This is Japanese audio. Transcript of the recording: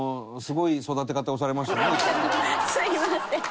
すみません。